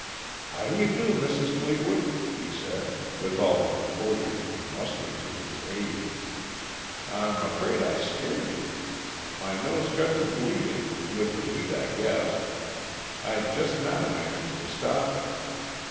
"How do you do, Mrs. Fleetwood?" he said, with all the composure he could muster to his aid. "I'm afraid I scared you. My nose got to bleeding with the heat, I guess. I just now managed to stop it."